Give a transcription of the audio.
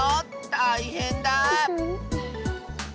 たいへんだあ！